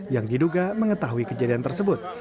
yang diduga mengetahui kejadian tersebut